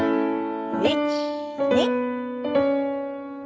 １２。